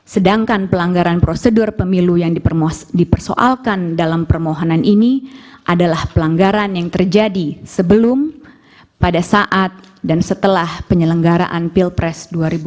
sedangkan pelanggaran prosedur pemilu yang dipersoalkan dalam permohonan ini adalah pelanggaran yang terjadi sebelum pada saat dan setelah penyelenggaraan pilpres dua ribu dua puluh